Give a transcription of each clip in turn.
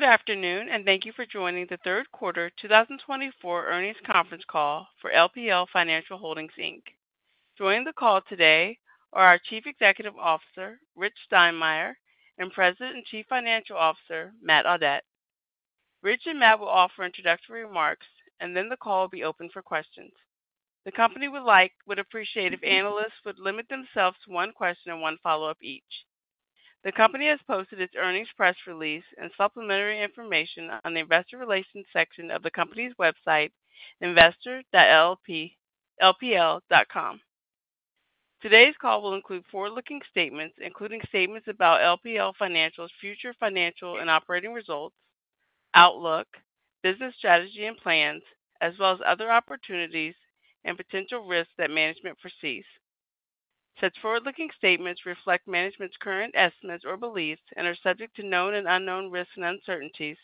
Good afternoon, and thank you for joining the third quarter 2024 earnings conference call for LPL Financial Holdings, Inc. Joining the call today are our Chief Executive Officer, Rich Steinmeier, and President and Chief Financial Officer, Matt Audette. Rich and Matt will offer introductory remarks, and then the call will be open for questions. The company would appreciate if analysts would limit themselves to one question and one follow-up each. The company has posted its earnings press release and supplementary information on the investor relations section of the company's website, investor.lpl.com. Today's call will include forward-looking statements, including statements about LPL Financial's future financial and operating results, outlook, business strategy and plans, as well as other opportunities and potential risks that management foresees. Such forward-looking statements reflect management's current estimates or beliefs and are subject to known and unknown risks and uncertainties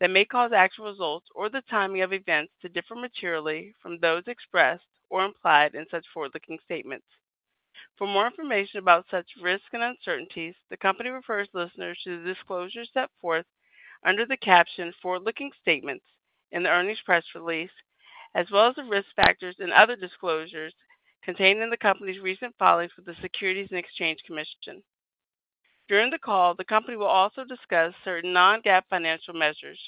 that may cause actual results or the timing of events to differ materially from those expressed or implied in such forward-looking statements. For more information about such risks and uncertainties, the company refers listeners to the disclosures set forth under the caption "Forward-looking Statements" in the earnings press release, as well as the risk factors and other disclosures contained in the company's recent filings with the Securities and Exchange Commission. During the call, the company will also discuss certain non-GAAP financial measures.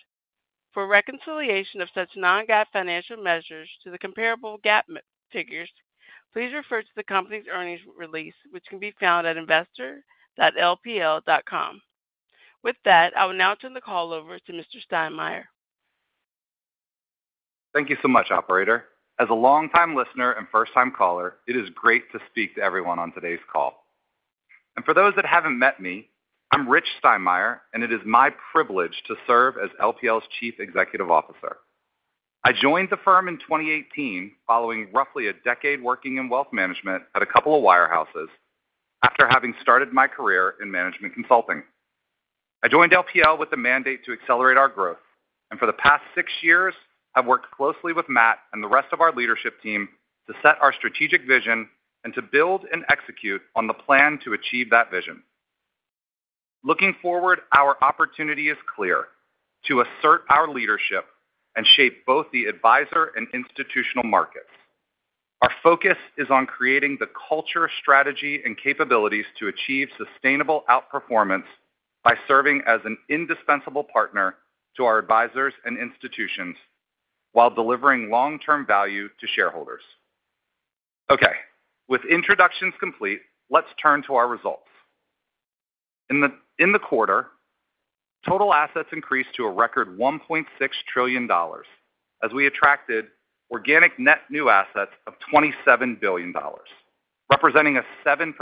For reconciliation of such non-GAAP financial measures to the comparable GAAP figures, please refer to the company's earnings release, which can be found at investor.lpl.com. With that, I will now turn the call over to Mr. Steinmeier. Thank you so much, Operator. As a longtime listener and first-time caller, it is great to speak to everyone on today's call, and for those that haven't met me, I'm Rich Steinmeier, and it is my privilege to serve as LPL's Chief Executive Officer. I joined the firm in 2018, following roughly a decade working in wealth management at a couple of wirehouses after having started my career in management consulting. I joined LPL with the mandate to accelerate our growth, and for the past six years, I've worked closely with Matt and the rest of our leadership team to set our strategic vision and to build and execute on the plan to achieve that vision. Looking forward, our opportunity is clear: to assert our leadership and shape both the advisor and institutional markets. Our Focus is on creating the culture, strategy, and capabilities to achieve sustainable outperformance by serving as an indispensable partner to our advisors and institutions while delivering long-term value to shareholders. Okay, with introductions complete, let's turn to our results. In the quarter, total assets increased to a record $1.6 trillion as we attracted organic net new assets of $27 billion, representing a 7%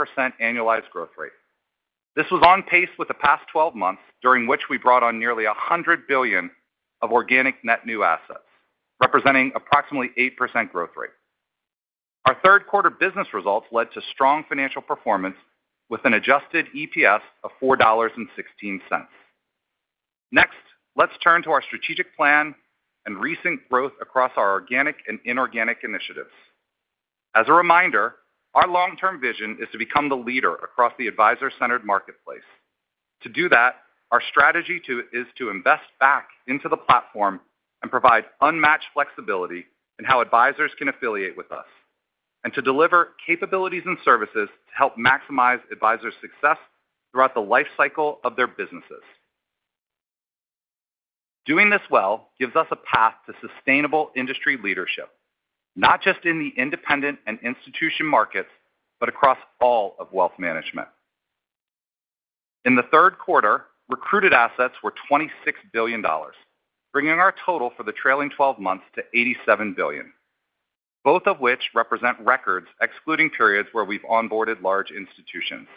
annualized growth rate. This was on pace with the past 12 months, during which we brought on nearly $100 billion of organic net new assets, representing approximately 8% growth rate. Our third quarter business results led to strong financial performance with an Adjusted EPS of $4.16. Next, let's turn to our strategic plan and recent growth across our organic and inorganic initiatives. As a reminder, our long-term vision is to become the leader across the advisor-centered marketplace. To do that, our strategy is to invest back into the platform and provide unmatched flexibility in how advisors can affiliate with us, and to deliver capabilities and services to help maximize advisors' success throughout the life cycle of their businesses. Doing this well gives us a path to sustainable industry leadership, not just in the independent and institution markets, but across all of wealth management. In the third quarter, recruited assets were $26 billion, bringing our total for the trailing 12 months to $87 billion, both of which represent records excluding periods where we've onboarded large institutions.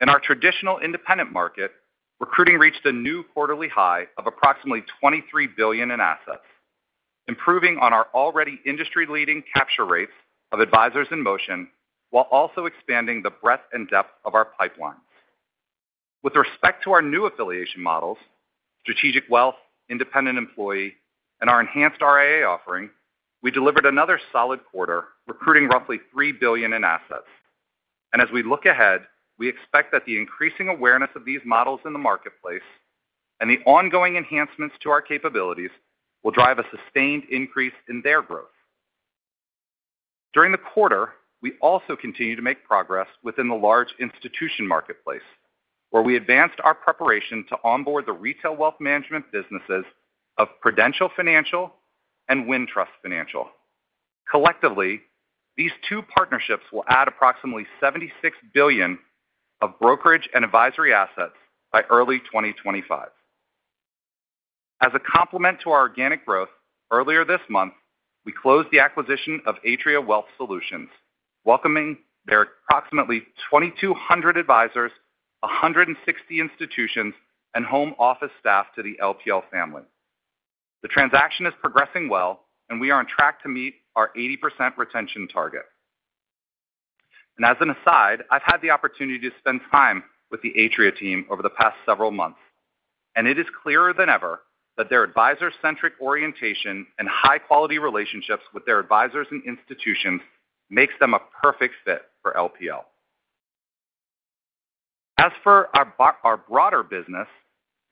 In our traditional independent market, recruiting reached a new quarterly high of approximately $23 billion in assets, improving on our already industry-leading capture rates of advisors in motion while also expanding the breadth and depth of our pipelines. With respect to our new affiliation models, Strategic Wealth, Independent Employee, and our enhanced RIA offering, we delivered another solid quarter, recruiting roughly $3 billion in assets. As we look ahead, we expect that the increasing awareness of these models in the marketplace and the ongoing enhancements to our capabilities will drive a sustained increase in their growth. During the quarter, we also continue to make progress within the large institution marketplace, where we advanced our preparation to onboard the retail wealth management businesses of Prudential Financial and Wintrust Financial. Collectively, these two partnerships will add approximately $76 billion of brokerage and advisory assets by early 2025. As a complement to our organic growth, earlier this month, we closed the acquisition of Atria Wealth Solutions, welcoming their approximately 2,200 advisors, 160 institutions, and home office staff to the LPL family. The transaction is progressing well, and we are on track to meet our 80% retention target, and as an aside, I've had the opportunity to spend time with the Atria team over the past several months, and it is clearer than ever that their advisor-centric orientation and high-quality relationships with their advisors and institutions make them a perfect fit for LPL. As for our broader business,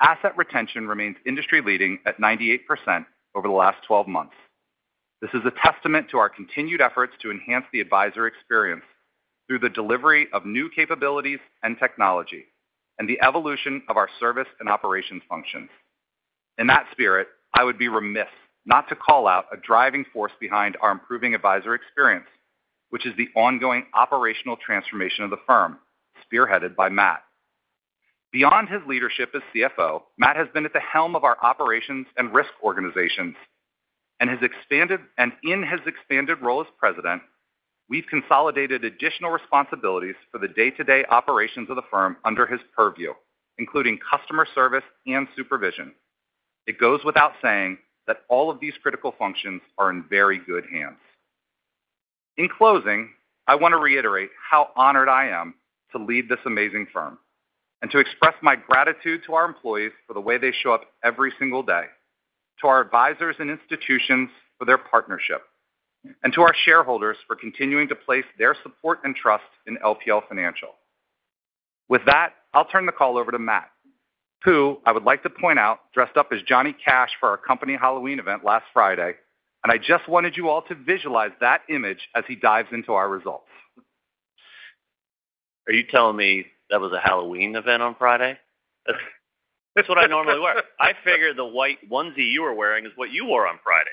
asset retention remains industry-leading at 98% over the last 12 months. This is a testament to our continued efforts to enhance the advisor experience through the delivery of new capabilities and technology and the evolution of our service and operations functions. In that spirit, I would be remiss not to call out a driving force behind our improving advisor experience, which is the ongoing operational transformation of the firm, spearheaded by Matt. Beyond his leadership as CFO, Matt has been at the helm of our operations and risk organizations, and in his expanded role as President, we've consolidated additional responsibilities for the day-to-day operations of the firm under his purview, including customer service and supervision. It goes without saying that all of these critical functions are in very good hands. In closing, I want to reiterate how honored I am to lead this amazing firm and to express my gratitude to our employees for the way they show up every single day, to our advisors and institutions for their partnership, and to our shareholders for continuing to place their support and trust in LPL Financial. With that, I'll turn the call over to Matt, who, I would like to point out, dressed up as Johnny Cash for our company Halloween event last Friday, and I just wanted you all to visualize that image as he dives into our results. Are you telling me that was a Halloween event on Friday? That's what I normally wear. I figured the white onesie you were wearing is what you wore on Friday.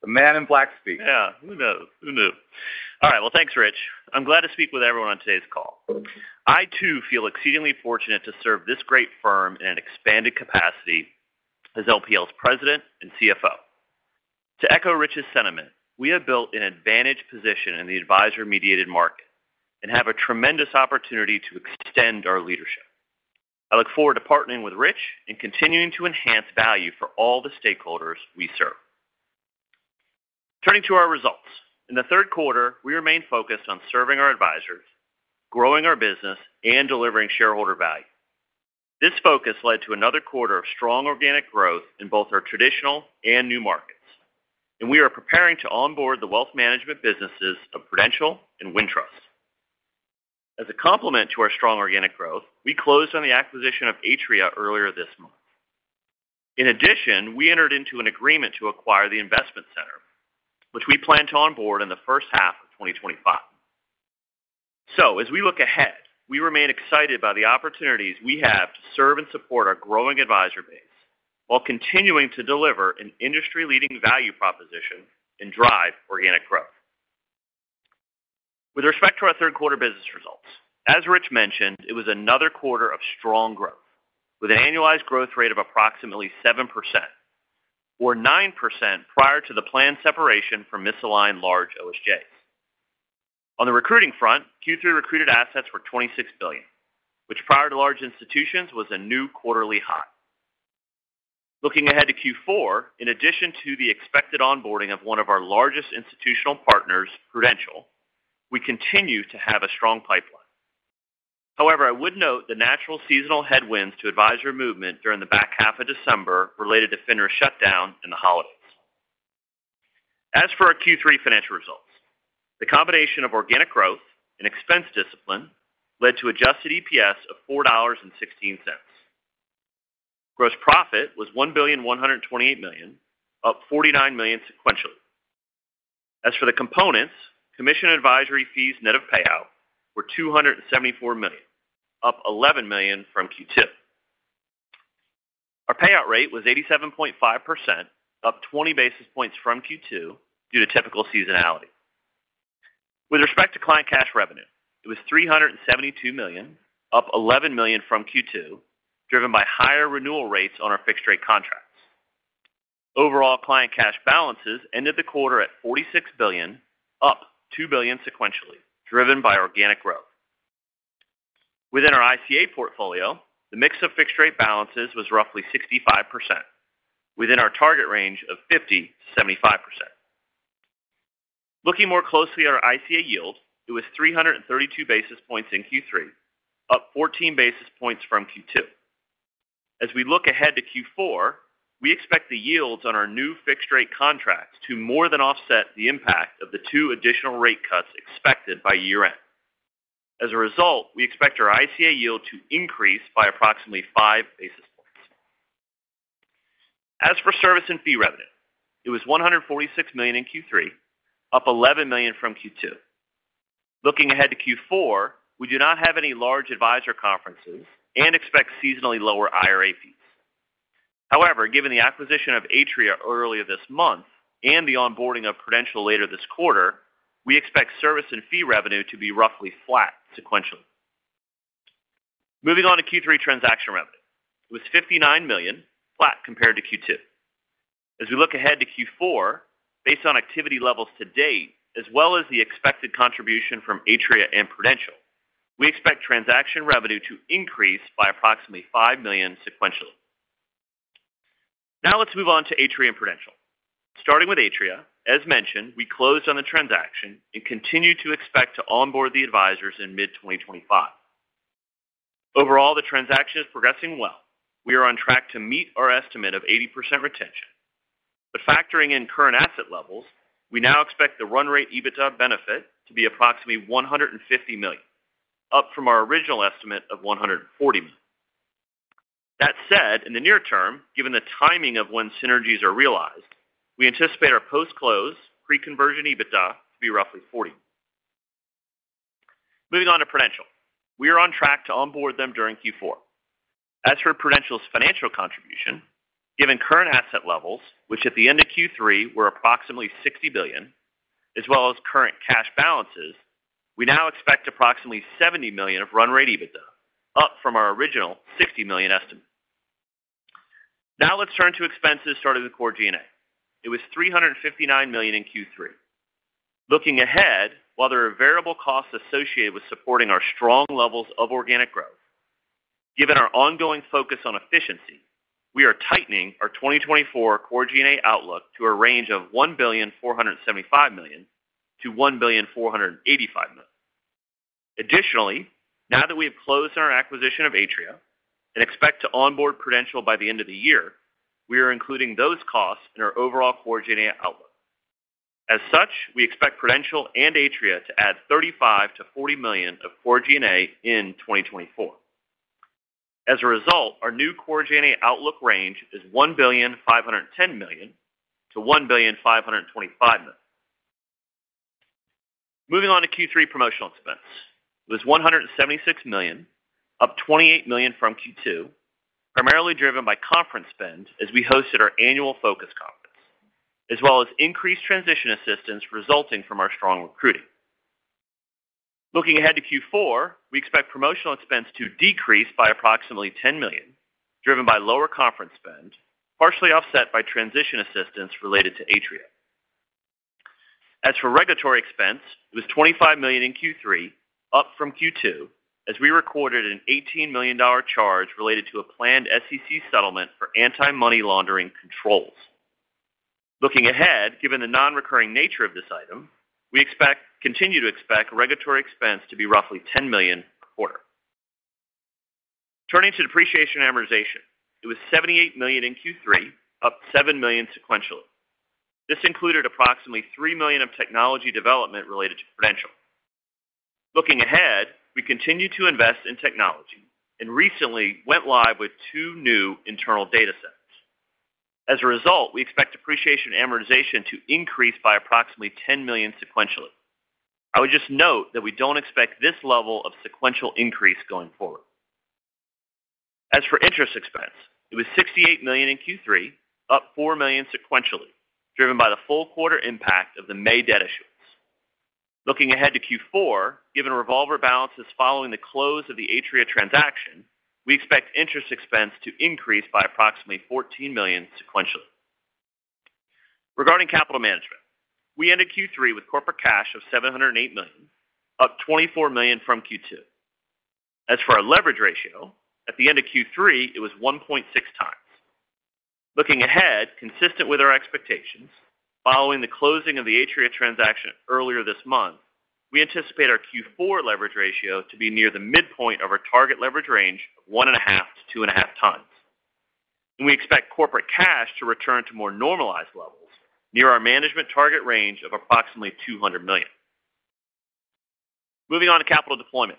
The man in black speaks. Yeah, who knows? Who knew? All right, well, thanks, Rich. I'm glad to speak with everyone on today's call. I, too, feel exceedingly fortunate to serve this great firm in an expanded capacity as LPL's President and CFO. To echo Rich's sentiment, we have built an advantage position in the advisor-mediated market and have a tremendous opportunity to extend our leadership. I look forward to partnering with Rich and continuing to enhance value for all the stakeholders we serve. Turning to our results, in the third quarter, we remained Focused on serving our advisors, growing our business, and delivering shareholder value. This Focus led to another quarter of strong organic growth in both our traditional and new markets, and we are preparing to onboard the wealth management businesses of Prudential and Wintrust. As a complement to our strong organic growth, we closed on the acquisition of Atria earlier this month. In addition, we entered into an agreement to acquire The Investment Center, which we plan to onboard in the first half of 2025. So, as we look ahead, we remain excited by the opportunities we have to serve and support our growing advisor base while continuing to deliver an industry-leading value proposition and drive organic growth. With respect to our third quarter business results, as Rich mentioned, it was another quarter of strong growth, with an annualized growth rate of approximately 7%, or 9% prior to the planned separation from misaligned large OSJs. On the recruiting front, Q3 recruited assets were $26 billion, which, prior to large institutions, was a new quarterly high. Looking ahead to Q4, in addition to the expected onboarding of one of our largest institutional partners, Prudential, we continue to have a strong pipeline. However, I would note the natural seasonal headwinds to advisor movement during the back half of December related to FINRA shutdown and the holidays. As for our Q3 financial results, the combination of organic growth and expense discipline led to adjusted EPS of $4.16. Gross profit was $1,128 million, up $49 million, sequentially. As for the components, commission advisory fees net of payout were $274 million, up $11 million from Q2. Our payout rate was 87.5%, up 20 basis points from Q2 due to typical seasonality. With respect to client cash revenue, it was $372 million, up $11 million from Q2, driven by higher renewal rates on our fixed-rate contracts. Overall, client cash balances ended the quarter at $46 million, up $2 million sequentially, driven by organic growth. Within our ICA portfolio, the mix of fixed-rate balances was roughly 65%, within our target range of 50%-75%. Looking more closely at our ICA yield, it was 332 basis points in Q3, up 14 basis points from Q2. As we look ahead to Q4, we expect the yields on our new fixed-rate contracts to more than offset the impact of the two additional rate cuts expected by year-end. As a result, we expect our ICA yield to increase by approximately five basis points. As for service and fee revenue, it was $146 million in Q3, up $11 million from Q2. Looking ahead to Q4, we do not have any large advisor conferences and expect seasonally lower IRA fees. However, given the acquisition of Atria earlier this month and the onboarding of Prudential later this quarter, we expect service and fee revenue to be roughly flat sequentially. Moving on to Q3 transaction revenue, it was $59 million, flat compared to Q2. As we look ahead to Q4, based on activity levels to date, as well as the expected contribution from Atria and Prudential, we expect transaction revenue to increase by approximately $5 million sequentially. Now let's move on to Atria and Prudential. Starting with Atria, as mentioned, we closed on the transaction and continue to expect to onboard the advisors in mid-2025. Overall, the transaction is progressing well. We are on track to meet our estimate of 80% retention. But factoring in current asset levels, we now expect the run rate EBITDA benefit to be approximately $150 million, up from our original estimate of $140 million. That said, in the near term, given the timing of when synergies are realized, we anticipate our post-close pre-conversion EBITDA to be roughly $40 million. Moving on to Prudential, we are on track to onboard them during Q4. As for Prudential's financial contribution, given current asset levels, which at the end of Q3 were approximately $60 million as well as current cash balances, we now expect approximately $70 million of run rate EBITDA, up from our original $60 million estimate. Now let's turn to expenses starting with core G&A. It was $359 million in Q3. Looking ahead, while there are variable costs associated with supporting our strong levels of organic growth, given our ongoing Focus on efficiency, we are tightening our 2024 core G&A outlook to a range of $1,475 million to $1,485 million. Additionally, now that we have closed on our acquisition of Atria and expect to onboard Prudential by the end of the year, we are including those costs in our overall core G&A outlook. As such, we expect Prudential and Atria to add $35 to $40 million of core G&A in 2024. As a result, our new core G&A outlook range is $1,510,000-$1,525,000. Moving on to Q3 promotional expense, it was $176 million, up $28 million from Q2, primarily driven by conference spend as we hosted our annual Focus conference, as well as increased transition assistance resulting from our strong recruiting. Looking ahead to Q4, we expect promotional expense to decrease by approximately $10 million, driven by lower conference spend, partially offset by transition assistance related to Atria. As for regulatory expense, it was $25 million in Q3, up from Q2, as we recorded an $18 million charge related to a planned SEC settlement for anti-money laundering controls. Looking ahead, given the non-recurring nature of this item, we continue to expect regulatory expense to be roughly $10 million per quarter. Turning to depreciation amortization, it was $78 million in Q3, up $7 million sequentially. This included approximately $3 million of technology development related to Prudential. Looking ahead, we continue to invest in technology and recently went live with two new internal data sets. As a result, we expect depreciation amortization to increase by approximately $10 million sequentially. I would just note that we don't expect this level of sequential increase going forward. As for interest expense, it was $68 million in Q3, up $4 million sequentially, driven by the full quarter impact of the May debt issuance. Looking ahead to Q4, given revolver balances following the close of the Atria transaction, we expect interest expense to increase by approximately $14 million sequentially. Regarding capital management, we ended Q3 with corporate cash of $708 million, up $24 million from Q2. As for our leverage ratio, at the end of Q3, it was 1.6 times. Looking ahead, consistent with our expectations, following the closing of the Atria transaction earlier this month, we anticipate our Q4 leverage ratio to be near the midpoint of our target leverage range of 1.5-2.5 times. We expect corporate cash to return to more normalized levels near our management target range of approximately $200 million. Moving on to capital deployment,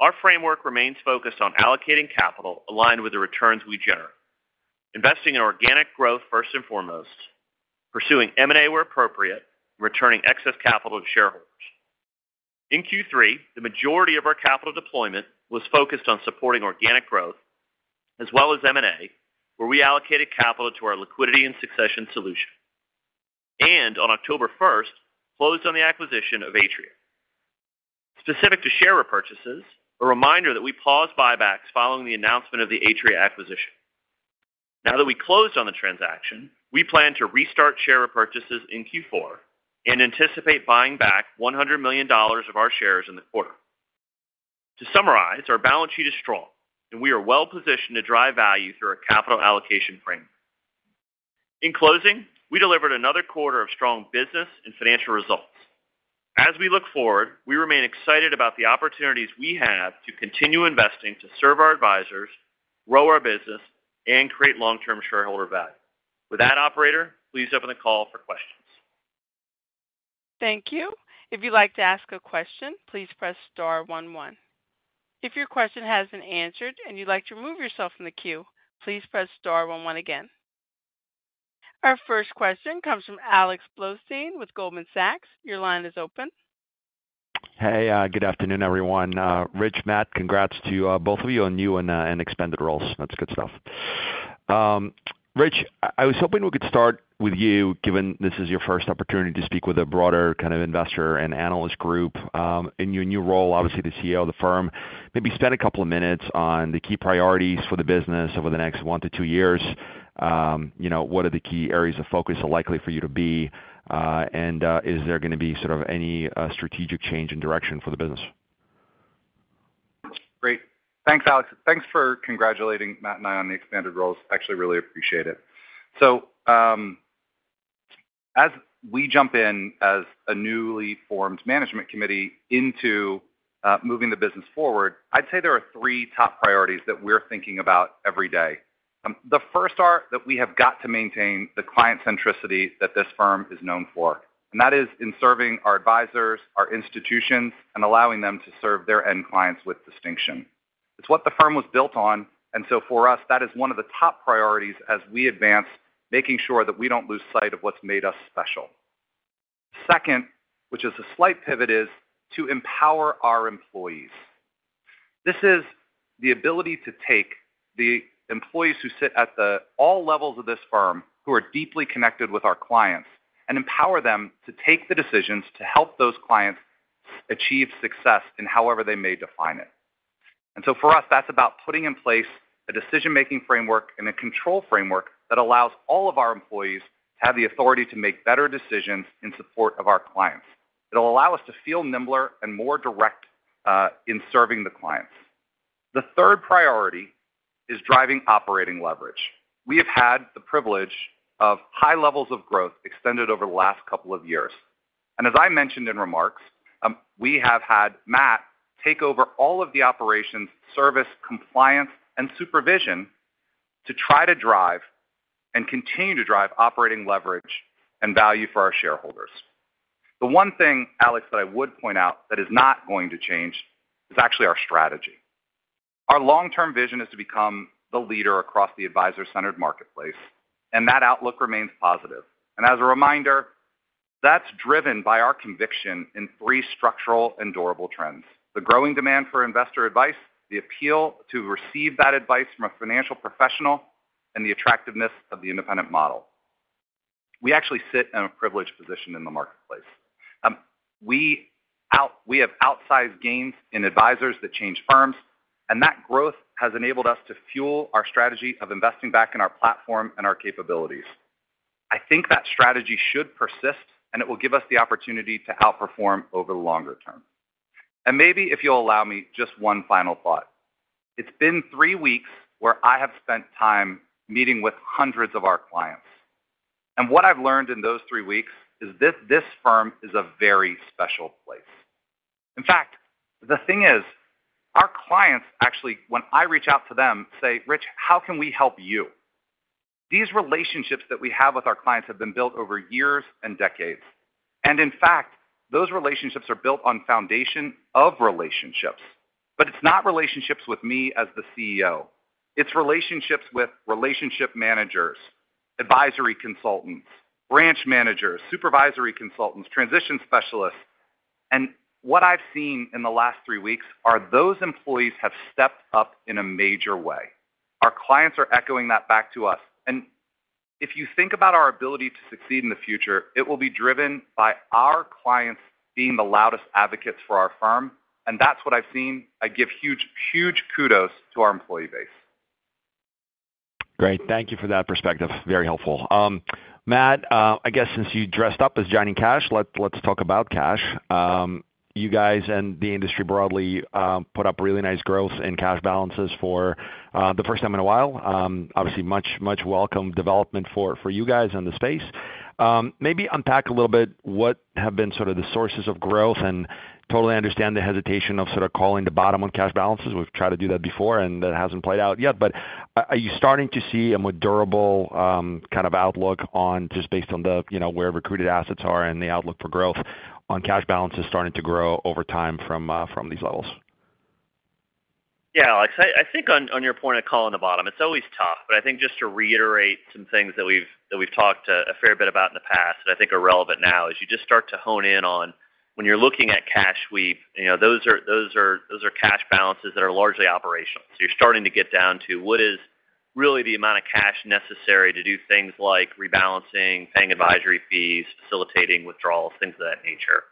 our framework remains Focused on allocating capital aligned with the returns we generate, investing in organic growth first and foremost, pursuing M&A where appropriate, and returning excess capital to shareholders. In Q3, the majority of our capital deployment was Focused on supporting organic growth, as well as M&A, where we allocated capital to our Liquidity and Succession solution, on October 1st closed on the acquisition of Atria. Specific to share repurchases, a reminder that we paused buybacks following the announcement of the Atria acquisition. Now that we closed on the transaction, we plan to restart share repurchases in Q4 and anticipate buying back $100 million of our shares in the quarter. To summarize, our balance sheet is strong, and we are well-positioned to drive value through our capital allocation framework. In closing, we delivered another quarter of strong business and financial results. As we look forward, we remain excited about the opportunities we have to continue investing to serve our advisors, grow our business, and create long-term shareholder value. With that, operator, please open the call for questions. Thank you. If you'd like to ask a question, please press star one one. If your question has been answered and you'd like to remove yourself from the queue, please press star one one again. Our first question comes from Alex Blostein with Goldman Sachs. Your line is open. Hey, good afternoon, everyone. Rich, Matt, congrats to both of you on new and expanded roles. That's good stuff. Rich, I was hoping we could start with you, given this is your first opportunity to speak with a broader kind of investor and analyst group in your new role, obviously the CEO of the firm. Maybe spend a couple of minutes on the key priorities for the business over the next one to two years. What are the key areas of Focus likely for you to be? And is there going to be sort of any strategic change in direction for the business? Great. Thanks, Alex. Thanks for congratulating Matt and I on the expanded roles. Actually, really appreciate it, so as we jump in as a newly formed management committee into moving the business forward, I'd say there are three top priorities that we're thinking about every day. The first are that we have got to maintain the client centricity that this firm is known for, and that is in serving our advisors, our institutions, and allowing them to serve their end clients with distinction. It's what the firm was built on, and so for us, that is one of the top priorities as we advance, making sure that we don't lose sight of what's made us special. Second, which is a slight pivot, is to empower our employees. This is the ability to take the employees who sit at all levels of this firm who are deeply connected with our clients and empower them to take the decisions to help those clients achieve success in however they may define it. And so for us, that's about putting in place a decision-making framework and a control framework that allows all of our employees to have the authority to make better decisions in support of our clients. It'll allow us to feel nimble and more direct in serving the clients. The third priority is driving operating leverage. We have had the privilege of high levels of growth extended over the last couple of years. And as I mentioned in remarks, we have had Matt take over all of the operations, service, compliance, and supervision to try to drive and continue to drive operating leverage and value for our shareholders. The one thing, Alex, that I would point out that is not going to change is actually our strategy. Our long-term vision is to become the leader across the advisor-centered marketplace, and that outlook remains positive, and as a reminder, that's driven by our conviction in three structural and durable trends: the growing demand for investor advice, the appeal to receive that advice from a financial professional, and the attractiveness of the independent model. We actually sit in a privileged position in the marketplace. We have outsized gains in advisors that change firms, and that growth has enabled us to fuel our strategy of investing back in our platform and our capabilities. I think that strategy should persist, and it will give us the opportunity to outperform over the longer term, and maybe, if you'll allow me, just one final thought. It's been three weeks where I have spent time meeting with hundreds of our clients. And what I've learned in those three weeks is this firm is a very special place. In fact, the thing is, our clients actually, when I reach out to them, say, "Rich, how can we help you?" These relationships that we have with our clients have been built over years and decades. And in fact, those relationships are built on the foundation of relationships. But it's not relationships with me as the CEO. It's relationships with relationship managers, advisory consultants, branch managers, supervisory consultants, transition specialists. And what I've seen in the last three weeks are those employees have stepped up in a major way. Our clients are echoing that back to us. And if you think about our ability to succeed in the future, it will be driven by our clients being the loudest advocates for our firm. And that's what I've seen. I give huge, huge kudos to our employee base. Great. Thank you for that perspective. Very helpful. Matt, I guess since you dressed up as Johnny Cash, let's talk about cash. You guys and the industry broadly put up really nice growth in cash balances for the first time in a while. Obviously, much, much welcome development for you guys in the space. Maybe unpack a little bit what have been sort of the sources of growth and totally understand the hesitation of sort of calling the bottom on cash balances. We've tried to do that before, and that hasn't played out yet. But are you starting to see a more durable kind of outlook on just based on where recruited assets are and the outlook for growth on cash balances starting to grow over time from these levels? Yeah, Alex. I think on your point of calling the bottom, it's always tough. But I think just to reiterate some things that we've talked a fair bit about in the past that I think are relevant now is you just start to hone in on when you're looking at cash sweep, those are cash balances that are largely operational. So you're starting to get down to what is really the amount of cash necessary to do things like rebalancing, paying advisory fees, facilitating withdrawals, things of that nature.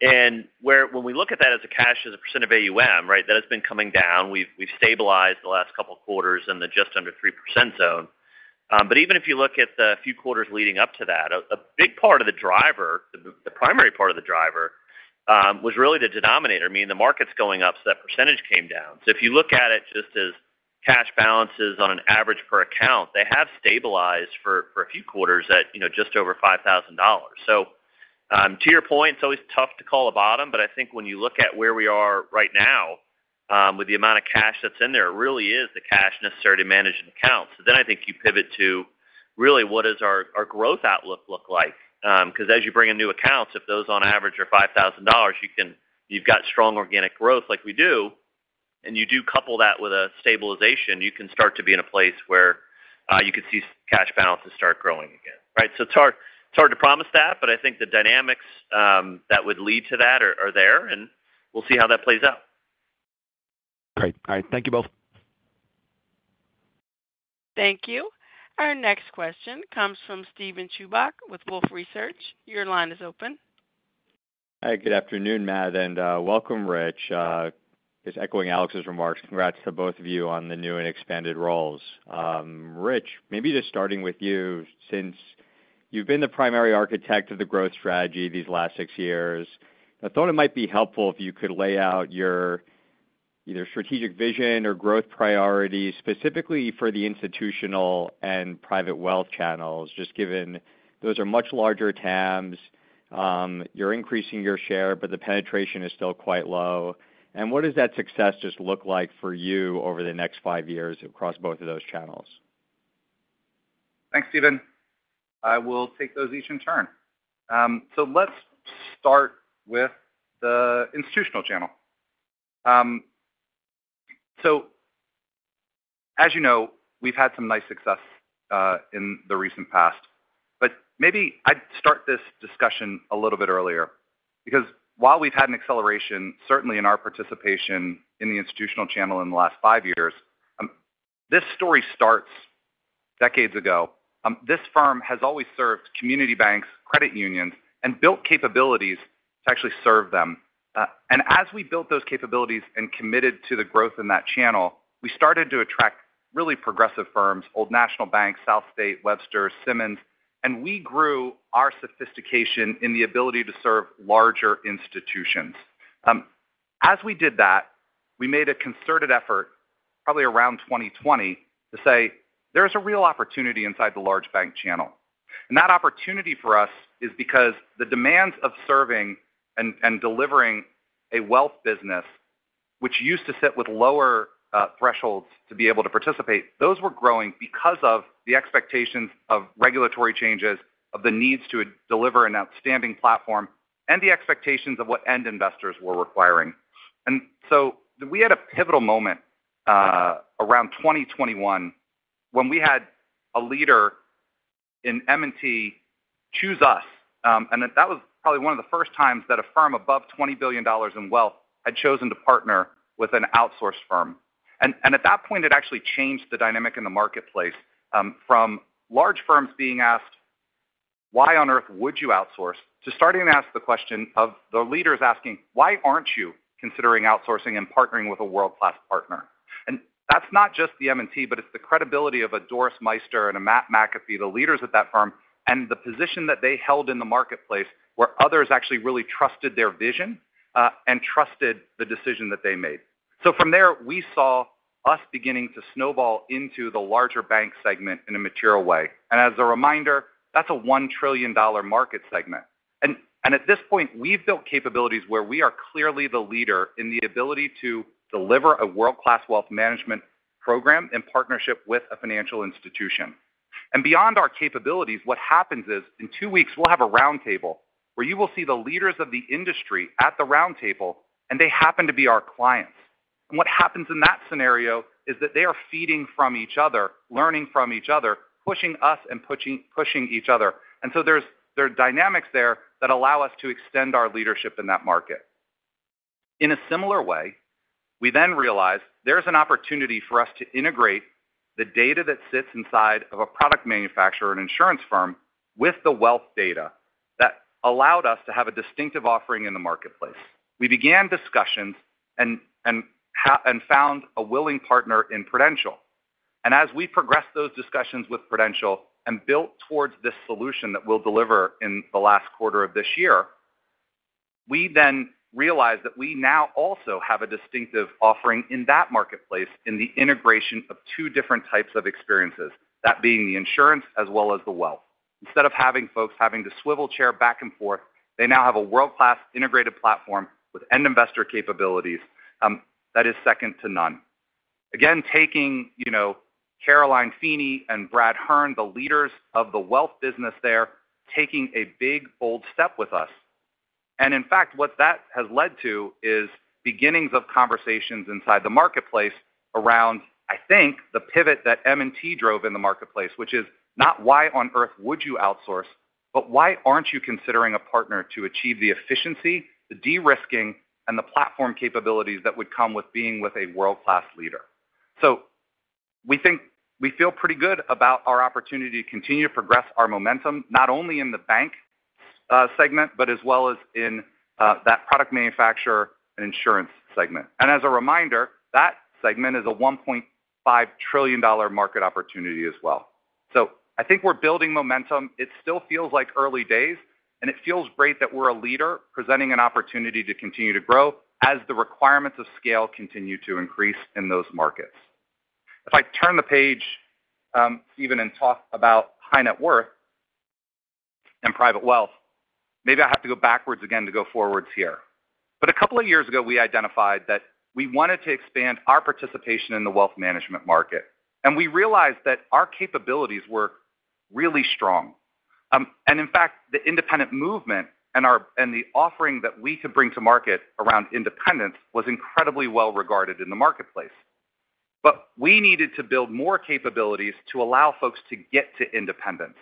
And when we look at that as a cash as a percent of AUM, right, that has been coming down. We've stabilized the last couple of quarters in the just under 3% zone. But even if you look at the few quarters leading up to that, a big part of the driver, the primary part of the driver, was really the denominator, meaning the market's going up, so that percentage came down. So if you look at it just as cash balances on an average per account, they have stabilized for a few quarters at just over $5,000. So to your point, it's always tough to call a bottom. But I think when you look at where we are right now with the amount of cash that's in there, it really is the cash necessary to manage an account. So then I think you pivot to really what does our growth outlook look like? Because as you bring in new accounts, if those on average are $5,000, you've got strong organic growth like we do. And you do couple that with a stabilization, you can start to be in a place where you could see cash balances start growing again. Right? So it's hard to promise that. But I think the dynamics that would lead to that are there. And we'll see how that plays out. Great. All right. Thank you both. Thank you. Our next question comes from Steven Chubak with Wolfe Research. Your line is open. Hi. Good afternoon, Matt. And welcome, Rich. Just echoing Alex's remarks, congrats to both of you on the new and expanded roles. Rich, maybe just starting with you, since you've been the primary architect of the growth strategy these last six years, I thought it might be helpful if you could lay out your either strategic vision or growth priorities specifically for the institutional and private wealth channels, just given those are much larger TAMs. You're increasing your share, but the penetration is still quite low. And what does that success just look like for you over the next five years across both of those channels? Thanks, Steven. I will take those each in turn. So let's start with the institutional channel. So as you know, we've had some nice success in the recent past. But maybe I'd start this discussion a little bit earlier because while we've had an acceleration, certainly in our participation in the institutional channel in the last five years, this story starts decades ago. This firm has always served community banks, credit unions, and built capabilities to actually serve them. And as we built those capabilities and committed to the growth in that channel, we started to attract really progressive firms: Old National Bank, SouthState, Webster, Simmons. And we grew our sophistication in the ability to serve larger institutions. As we did that, we made a concerted effort probably around 2020 to say, "There is a real opportunity inside the large bank channel," and that opportunity for us is because the demands of serving and delivering a wealth business, which used to sit with lower thresholds to be able to participate, those were growing because of the expectations of regulatory changes, of the needs to deliver an outstanding platform, and the expectations of what end investors were requiring, and so we had a pivotal moment around 2021 when we had a leader in M&T choose us, and that was probably one of the first times that a firm above $20 billion in wealth had chosen to partner with an outsourced firm. At that point, it actually changed the dynamic in the marketplace from large firms being asked, "Why on earth would you outsource?" to starting to ask the question of the leaders asking, "Why aren't you considering outsourcing and partnering with a world-class partner?" That's not just the M&T, but it's the credibility of a Doris Meister and Matt McAfee, the leaders at that firm, and the position that they held in the marketplace where others actually really trusted their vision and trusted the decision that they made. From there, we saw us beginning to snowball into the larger bank segment in a material way. As a reminder, that's a $1 trillion market segment. At this point, we've built capabilities where we are clearly the leader in the ability to deliver a world-class wealth management program in partnership with a financial institution. And beyond our capabilities, what happens is in two weeks, we'll have a roundtable where you will see the leaders of the industry at the roundtable, and they happen to be our clients. And what happens in that scenario is that they are feeding from each other, learning from each other, pushing us and pushing each other. And so there are dynamics there that allow us to extend our leadership in that market. In a similar way, we then realized there's an opportunity for us to integrate the data that sits inside of a product manufacturer, an insurance firm, with the wealth data that allowed us to have a distinctive offering in the marketplace. We began discussions and found a willing partner in Prudential. As we progressed those discussions with Prudential and built towards this solution that we'll deliver in the last quarter of this year, we then realized that we now also have a distinctive offering in that marketplace in the integration of two different types of experiences, that being the insurance as well as the wealth. Instead of having folks having to swivel chair back and forth, they now have a world-class integrated platform with end investor capabilities that is second to none. Again, taking Caroline Feeney and Brad Hearn, the leaders of the wealth business there, taking a big, bold step with us. And in fact, what that has led to is beginnings of conversations inside the marketplace around, I think, the pivot that M&T drove in the marketplace, which is not why on earth would you outsource, but why aren't you considering a partner to achieve the efficiency, the de-risking, and the platform capabilities that would come with being with a world-class leader. So we feel pretty good about our opportunity to continue to progress our momentum not only in the bank segment, but as well as in that product manufacturer and insurance segment. And as a reminder, that segment is a $1.5 trillion market opportunity as well. So I think we're building momentum. It still feels like early days. And it feels great that we're a leader presenting an opportunity to continue to grow as the requirements of scale continue to increase in those markets. If I turn the page, Steven, and talk about high net worth and private wealth, maybe I have to go backwards again to go forwards here. But a couple of years ago, we identified that we wanted to expand our participation in the wealth management market. And we realized that our capabilities were really strong. And in fact, the independent movement and the offering that we could bring to market around independence was incredibly well regarded in the marketplace. But we needed to build more capabilities to allow folks to get to independence.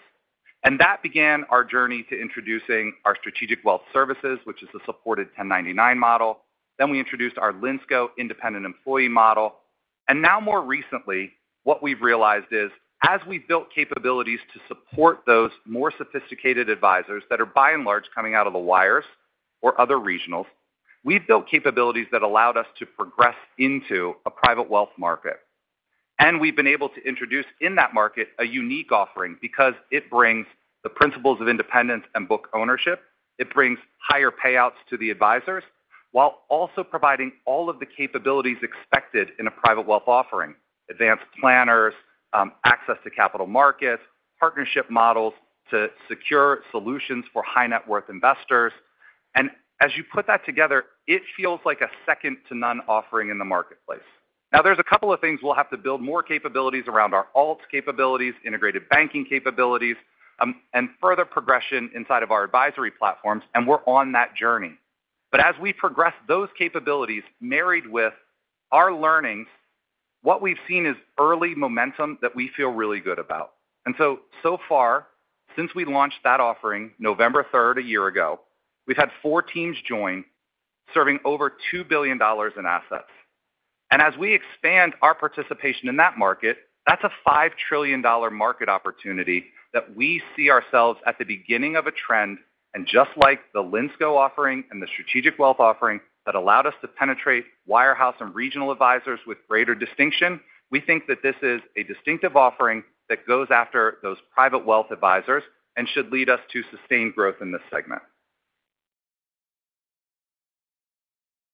And that began our journey to introducing our Strategic Wealth Services, which is the supported 1099 model. Then we introduced our Linsco Independent Employee model. And now, more recently, what we've realized is as we built capabilities to support those more sophisticated advisors that are by and large coming out of the wires or other regionals, we built capabilities that allowed us to progress into a private wealth market. And we've been able to introduce in that market a unique offering because it brings the principles of independence and book ownership. It brings higher payouts to the advisors while also providing all of the capabilities expected in a private wealth offering: advanced planners, access to capital markets, partnership models to secure solutions for high net worth investors. And as you put that together, it feels like a second to none offering in the marketplace. Now, there's a couple of things we'll have to build more capabilities around: our alts capabilities, integrated banking capabilities, and further progression inside of our advisory platforms. And we're on that journey. But as we progress those capabilities married with our learnings, what we've seen is early momentum that we feel really good about. And so far, since we launched that offering November 3rd a year ago, we've had four teams join serving over $2 billion in assets. And as we expand our participation in that market, that's a $5 trillion market opportunity that we see ourselves at the beginning of a trend. And just like the Linsco offering and the Strategic Wealth offering that allowed us to penetrate wirehouse and regional advisors with greater distinction, we think that this is a distinctive offering that goes after those private wealth advisors and should lead us to sustained growth in this segment.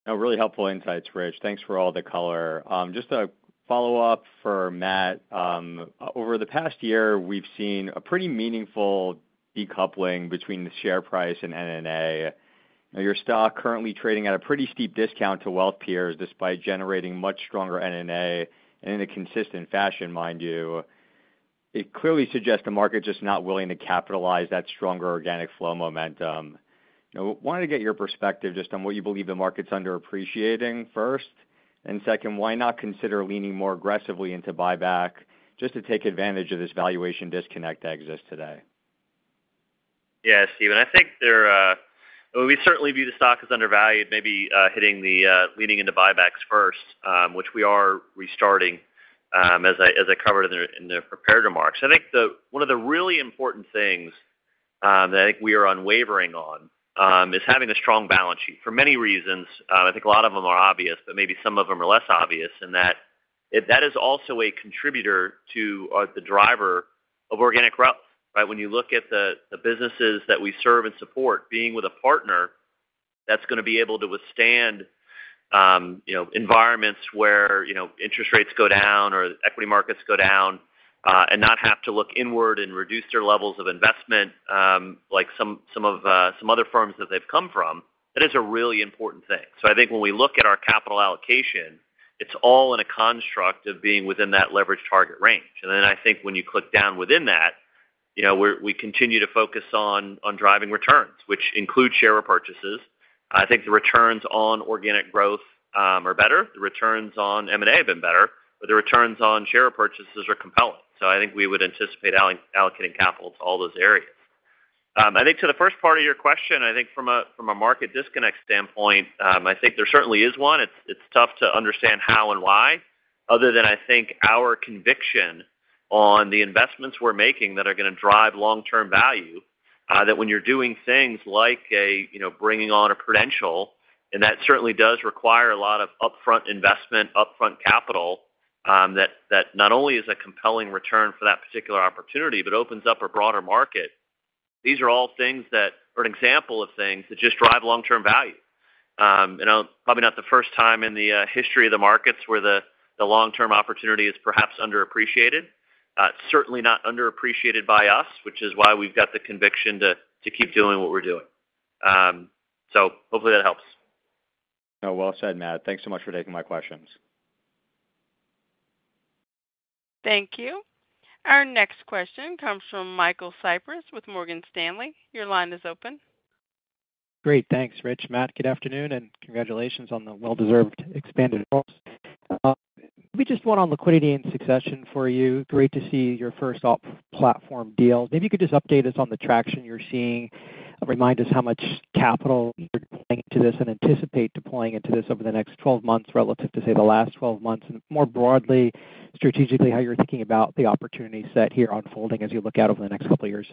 Now, really helpful insights, Rich. Thanks for all the color. Just a follow-up for Matt. Over the past year, we've seen a pretty meaningful decoupling between the share price and NNA. Your stock currently trading at a pretty steep discount to wealth peers despite generating much stronger NNA and in a consistent fashion, mind you. It clearly suggests the market just not willing to capitalize that stronger organic flow momentum. Wanted to get your perspective just on what you believe the market's underappreciating first. And second, why not consider leaning more aggressively into buyback just to take advantage of this valuation disconnect that exists today? Yeah, Steven. I think we certainly view the stock as undervalued, maybe hitting the leaning into buybacks first, which we are restarting as I covered in the prepared remarks. I think one of the really important things that I think we are unwavering on is having a strong balance sheet for many reasons. I think a lot of them are obvious, but maybe some of them are less obvious in that that is also a contributor to the driver of organic growth. Right? When you look at the businesses that we serve and support, being with a partner that's going to be able to withstand environments where interest rates go down or equity markets go down and not have to look inward and reduce their levels of investment like some of some other firms that they've come from, that is a really important thing. So I think when we look at our capital allocation, it's all in a construct of being within that leverage target range. And then I think when you click down within that, we continue to Focus on driving returns, which include share purchases. I think the returns on organic growth are better. The returns on M&A have been better. But the returns on share purchases are compelling. So I think we would anticipate allocating capital to all those areas. I think to the first part of your question, I think from a market disconnect standpoint, I think there certainly is one. It's tough to understand how and why other than I think our conviction on the investments we're making that are going to drive long-term value, that when you're doing things like bringing on a Prudential, and that certainly does require a lot of upfront investment, upfront capital that not only is a compelling return for that particular opportunity but opens up a broader market, these are all things that are an example of things that just drive long-term value, and probably not the first time in the history of the markets where the long-term opportunity is perhaps underappreciated, certainly not underappreciated by us, which is why we've got the conviction to keep doing what we're doing, so hopefully that helps. No, well said, Matt. Thanks so much for taking my questions. Thank you. Our next question comes from Michael Cyprys with Morgan Stanley. Your line is open. Great. Thanks, Rich. Matt, good afternoon and congratulations on the well-deserved expanded growth. We just want on Liquidity and Succession for you. Great to see your first platform deal. Maybe you could just update us on the traction you're seeing, remind us how much capital you're deploying into this and anticipate deploying into this over the next 12 months relative to, say, the last 12 months. And more broadly, strategically, how you're thinking about the opportunity set here unfolding as you look out over the next couple of years.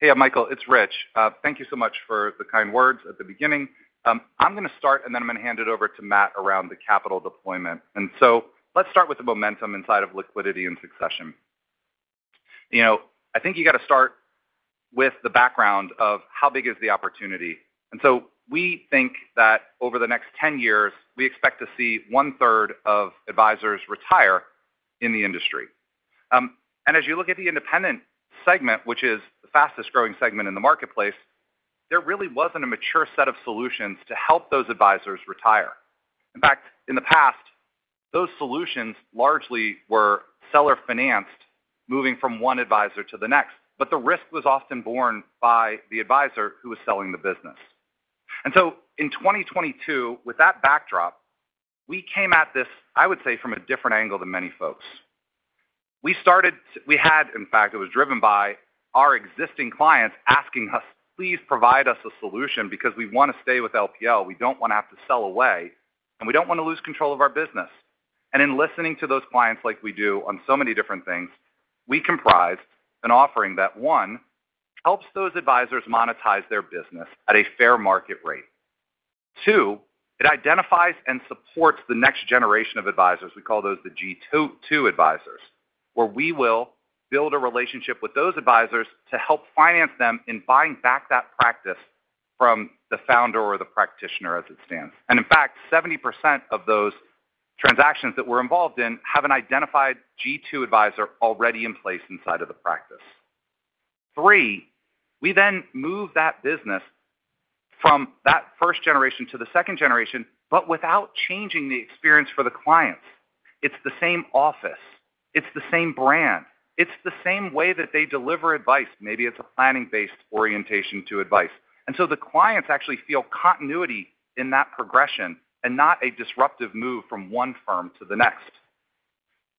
Yeah, Michael, it's Rich. Thank you so much for the kind words at the beginning. I'm going to start, and then I'm going to hand it over to Matt around the capital deployment. And so let's start with the momentum inside of liquidity and succession. I think you got to start with the background of how big is the opportunity? And so we think that over the next 10 years, we expect to see one-third of advisors retire in the industry. And as you look at the independent segment, which is the fastest growing segment in the marketplace, there really wasn't a mature set of solutions to help those advisors retire. In fact, in the past, those solutions largely were seller-financed moving from one advisor to the next. But the risk was often borne by the advisor who was selling the business. And so in 2022, with that backdrop, we came at this, I would say, from a different angle than many folks. We had, in fact, it was driven by our existing clients asking us, "Please provide us a solution because we want to stay with LPL. We don't want to have to sell away, and we don't want to lose control of our business." And in listening to those clients like we do on so many different things, we comprised an offering that, one, helps those advisors monetize their business at a fair market rate. Two, it identifies and supports the next generation of advisors. We call those the G2 advisors, where we will build a relationship with those advisors to help finance them in buying back that practice from the founder or the practitioner as it stands. And in fact, 70% of those transactions that we're involved in have an identified G2 advisor already in place inside of the practice. Three, we then move that business from that first generation to the second generation, but without changing the experience for the clients. It's the same office. It's the same brand. It's the same way that they deliver advice. Maybe it's a planning-based orientation to advice. And so the clients actually feel continuity in that progression and not a disruptive move from one firm to the next.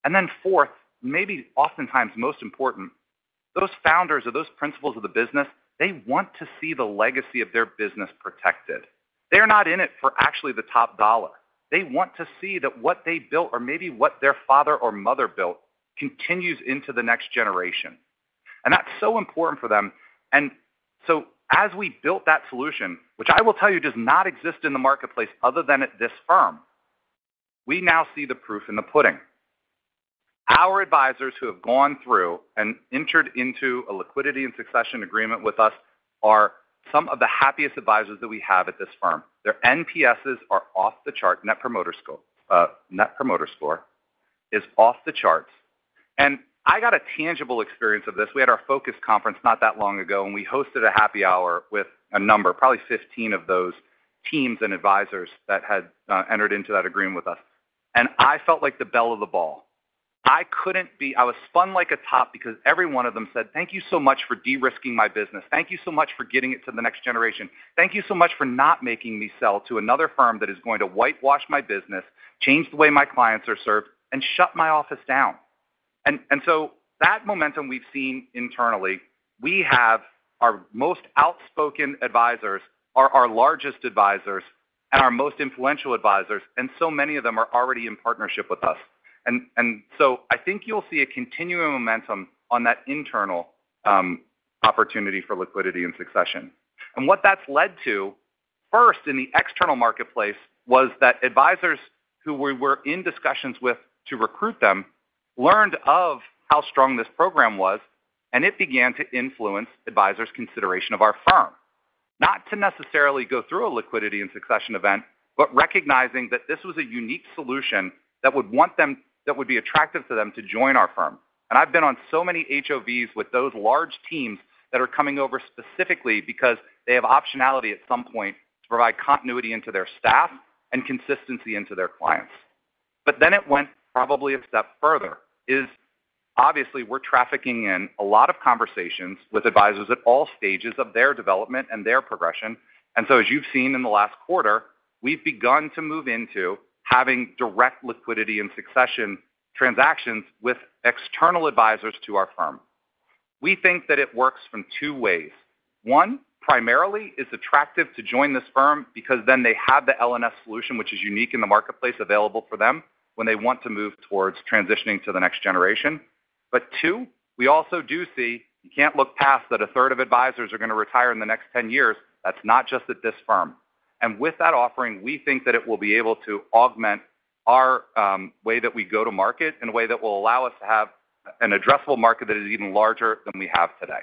And then fourth, maybe oftentimes most important, those founders or those principals of the business, they want to see the legacy of their business protected. They're not in it for actually the top dollar. They want to see that what they built or maybe what their father or mother built continues into the next generation. And that's so important for them. And so as we built that solution, which I will tell you does not exist in the marketplace other than at this firm, we now see the proof in the pudding. Our advisors who have gone through and entered into a Liquidity and Succession agreement with us are some of the happiest advisors that we have at this firm. Their NPSs are off the chart. Net Promoter Score is off the charts. And I got a tangible experience of this. We had our Focus conference not that long ago, and we hosted a happy hour with a number, probably 15 of those teams and advisors that had entered into that agreement with us. And I felt like the bell of the ball. I was spun like a top because every one of them said, "Thank you so much for de-risking my business. Thank you so much for getting it to the next generation. Thank you so much for not making me sell to another firm that is going to whitewash my business, change the way my clients are served, and shut my office down." And so that momentum we've seen internally, we have our most outspoken advisors, our largest advisors, and our most influential advisors. And so many of them are already in partnership with us. And so I think you'll see a continuing momentum on that internal opportunity for liquidity and succession. And what that's led to first in the external marketplace was that advisors who we were in discussions with to recruit them learned of how strong this program was, and it began to influence advisors' consideration of our firm. Not to necessarily go through a Liquidity and Succession event, but recognizing that this was a unique solution that would want them, that would be attractive to them to join our firm. I've been on so many HOVs with those large teams that are coming over specifically because they have optionality at some point to provide continuity into their staff and consistency into their clients. But then it went probably a step further, is obviously we're trafficking in a lot of conversations with advisors at all stages of their development and their progression. So as you've seen in the last quarter, we've begun to move into having direct Liquidity and Succession transactions with external advisors to our firm. We think that it works from two ways. One, primarily is attractive to join this firm because then they have the L&S solution, which is unique in the marketplace available for them when they want to move towards transitioning to the next generation. But two, we also do see you can't look past that a third of advisors are going to retire in the next 10 years. That's not just at this firm. And with that offering, we think that it will be able to augment our way that we go to market in a way that will allow us to have an addressable market that is even larger than we have today.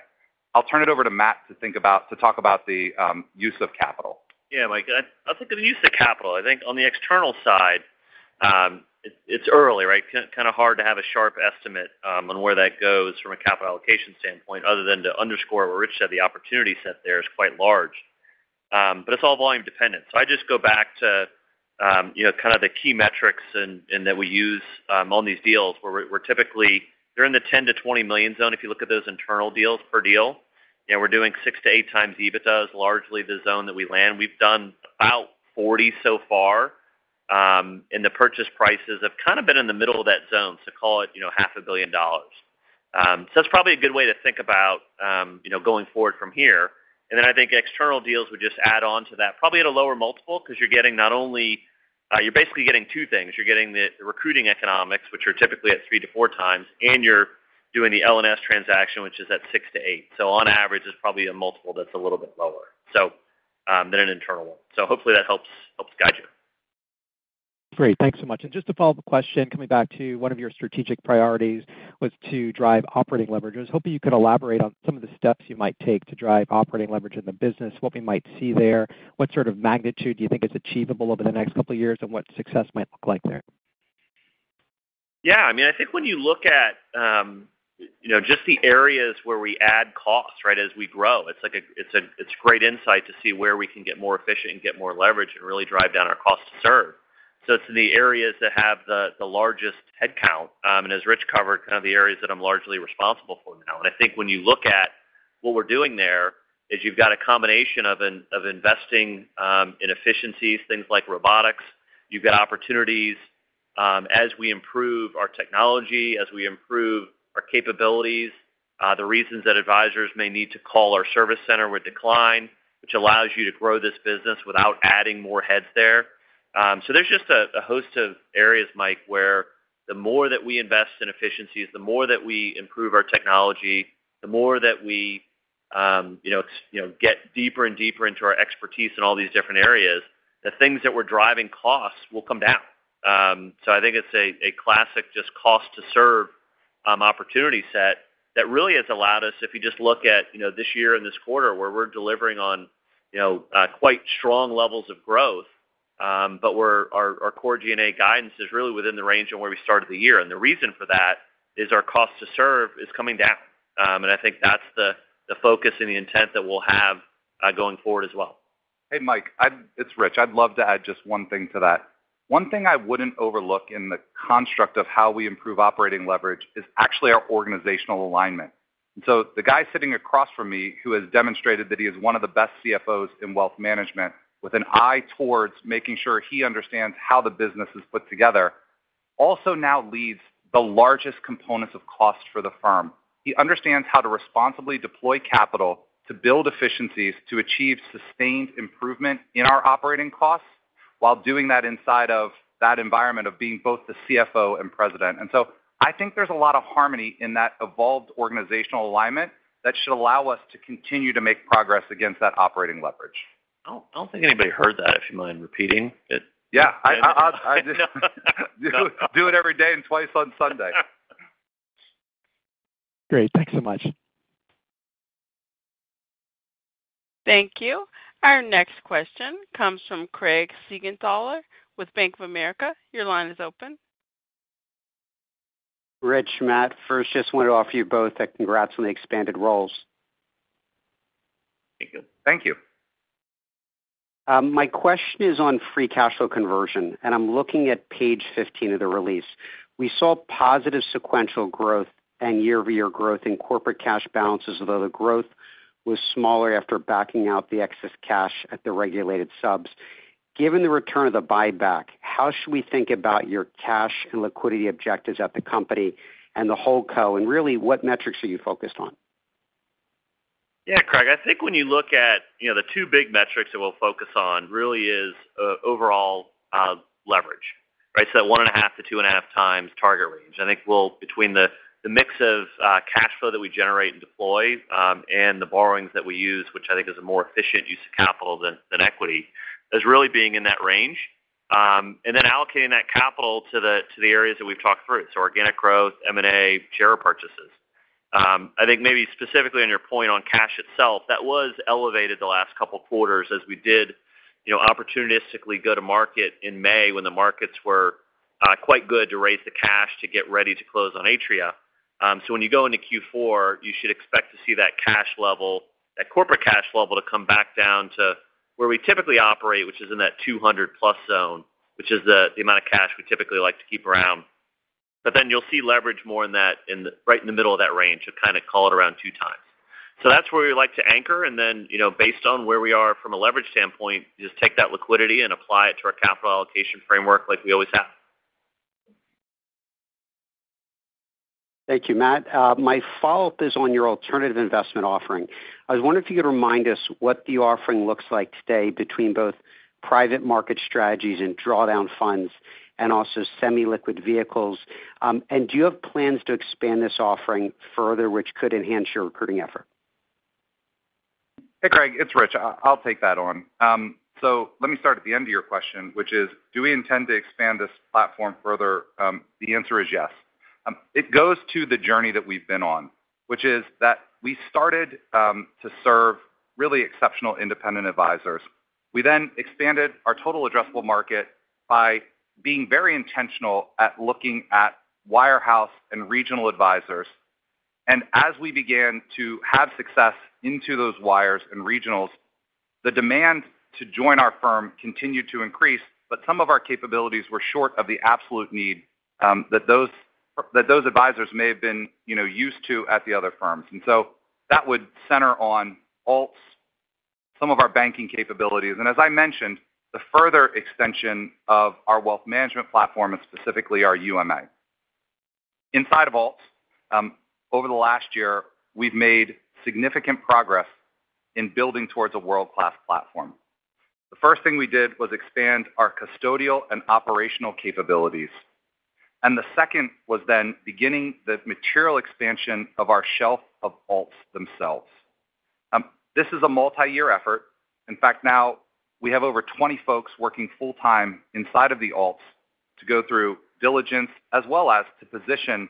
I'll turn it over to Matt to talk about the use of capital. Yeah, Mike. I'll take the use of capital. I think on the external side, it's early, right? Kind of hard to have a sharp estimate on where that goes from a capital allocation standpoint other than to underscore where Rich said the opportunity set there is quite large. But it's all volume dependent. So I just go back to kind of the key metrics that we use on these deals where we're typically during the 10-20 million zone, if you look at those internal deals per deal, we're doing 6-8 times EBITDA is largely the zone that we land. We've done about 40 so far, and the purchase prices have kind of been in the middle of that zone, so call it $500 million. So that's probably a good way to think about going forward from here. And then I think external deals would just add on to that, probably at a lower multiple because you're basically getting two things. You're getting the recruiting economics, which are typically at three-to-four times, and you're doing the L&S transaction, which is at six-to-eight. So on average, it's probably a multiple that's a little bit lower than an internal one. So hopefully that helps guide you. Great. Thanks so much. And just a follow-up question, coming back to one of your strategic priorities was to drive operating leverage. I was hoping you could elaborate on some of the steps you might take to drive operating leverage in the business, what we might see there, what sort of magnitude do you think is achievable over the next couple of years, and what success might look like there? Yeah. I mean, I think when you look at just the areas where we add cost, right, as we grow. It's great insight to see where we can get more efficient and get more leverage and really drive down our cost to serve. It's in the areas that have the largest headcount. As Rich covered, kind of the areas that I'm largely responsible for now. I think when you look at what we're doing there is you've got a combination of investing in efficiencies, things like robotics. You've got opportunities as we improve our technology, as we improve our capabilities, the reasons that advisors may need to call our service center will decline, which allows you to grow this business without adding more heads there. So there's just a host of areas, Mike, where the more that we invest in efficiencies, the more that we improve our technology, the more that we get deeper and deeper into our expertise in all these different areas, the things that we're driving costs will come down. So I think it's a classic just cost to serve opportunity set that really has allowed us, if you just look at this year and this quarter where we're delivering on quite strong levels of growth, but our Core G&A guidance is really within the range of where we started the year. And the reason for that is our cost to serve is coming down. And I think that's the Focus and the intent that we'll have going forward as well. Hey, Mike. It's Rich. I'd love to add just one thing to that. One thing I wouldn't overlook in the construct of how we improve operating leverage is actually our organizational alignment, and so the guy sitting across from me who has demonstrated that he is one of the best CFOs in wealth management with an eye towards making sure he understands how the business is put together also now leads the largest components of cost for the firm. He understands how to responsibly deploy capital to build efficiencies to achieve sustained improvement in our operating costs while doing that inside of that environment of being both the CFO and President, and so I think there's a lot of harmony in that evolved organizational alignment that should allow us to continue to make progress against that operating leverage. I don't think anybody heard that, if you mind repeating it. Yeah. I just do it every day and twice on Sunday. Great. Thanks so much. Thank you. Our next question comes from Craig Siegenthaler with Bank of America. Your line is open. Rich, Matt, first, just wanted to offer you both a congrats on the expanded roles. Thank you. My question is on free cash flow conversion, and I'm looking at page 15 of the release. We saw positive sequential growth and year-over-year growth in corporate cash balances, although the growth was smaller after backing out the excess cash at the regulated subs. Given the return of the buyback, how should we think about your cash and liquidity objectives at the company and the HoldCo? And really, what metrics are you Focused on? Yeah, Craig. I think when you look at the two big metrics that we'll Focus on really is overall leverage, right? So that 1.5-2.5 times target range. I think between the mix of cash flow that we generate and deploy and the borrowings that we use, which I think is a more efficient use of capital than equity, is really being in that range. And then allocating that capital to the areas that we've talked through, so organic growth, M&A, share purchases. I think maybe specifically on your point on cash itself, that was elevated the last couple of quarters as we did opportunistically go to market in May when the markets were quite good to raise the cash to get ready to close on Atria. So when you go into Q4, you should expect to see that cash level, that corporate cash level to come back down to where we typically operate, which is in that 200-plus zone, which is the amount of cash we typically like to keep around. But then you'll see leverage more in that right in the middle of that range, kind of call it around two times. So that's where we like to anchor. And then based on where we are from a leverage standpoint, just take that liquidity and apply it to our capital allocation framework like we always have. Thank you, Matt. My follow-up is on your alternative investment offering. I was wondering if you could remind us what the offering looks like today between both private market strategies and drawdown funds and also semi-liquid vehicles, and do you have plans to expand this offering further, which could enhance your recruiting effort? Hey, Craig. It's Rich. I'll take that on, so let me start at the end of your question, which is, do we intend to expand this platform further? The answer is yes. It goes to the journey that we've been on, which is that we started to serve really exceptional independent advisors. We then expanded our total addressable market by being very intentional at looking at wirehouse and regional advisors, and as we began to have success into those wires and regionals, the demand to join our firm continued to increase, but some of our capabilities were short of the absolute need that those advisors may have been used to at the other firms. And so that would center on alts, some of our banking capabilities, and as I mentioned, the further extension of our wealth management platform is specifically our UMA. Inside of alts, over the last year, we've made significant progress in building towards a world-class platform. The first thing we did was expand our custodial and operational capabilities. The second was then beginning the material expansion of our shelf of alts themselves. This is a multi-year effort. In fact, now we have over 20 folks working full-time inside of the alts to go through diligence as well as to position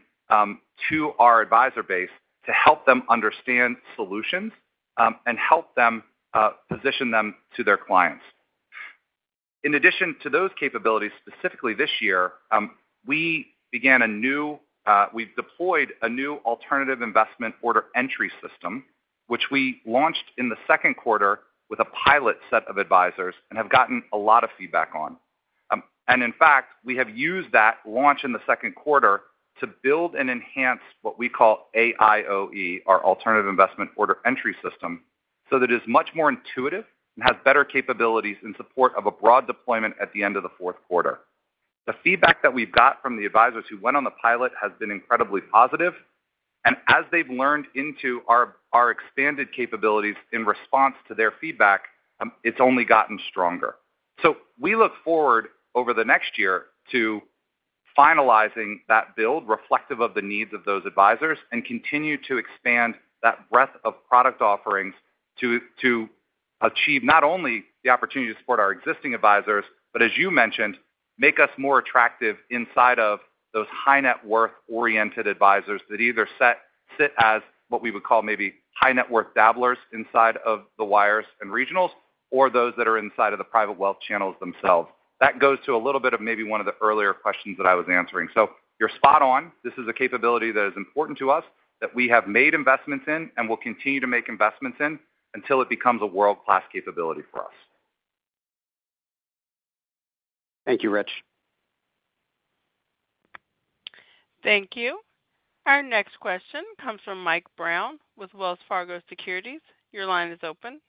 to our advisor base to help them understand solutions and help them position them to their clients. In addition to those capabilities, specifically this year, we've deployed a new alternative investment order entry system, which we launched in the second quarter with a pilot set of advisors and have gotten a lot of feedback on. In fact, we have used that launch in the second quarter to build and enhance what we call AIOE, our alternative investment order entry system, so that it is much more intuitive and has better capabilities in support of a broad deployment at the end of the fourth quarter. The feedback that we've got from the advisors who went on the pilot has been incredibly positive. As they've leaned into our expanded capabilities in response to their feedback, it's only gotten stronger. So we look forward over the next year to finalizing that build reflective of the needs of those advisors and continue to expand that breadth of product offerings to achieve not only the opportunity to support our existing advisors, but as you mentioned, make us more attractive inside of those high-net-worth oriented advisors that either sit as what we would call maybe high-net-worth dabblers inside of the wires and regionals or those that are inside of the private wealth channels themselves. That goes to a little bit of maybe one of the earlier questions that I was answering. So you're spot on. This is a capability that is important to us that we have made investments in and will continue to make investments in until it becomes a world-class capability for us. Thank you, Rich. Thank you. Our next question comes from Mike Brown with Wells Fargo Securities. Your line is open.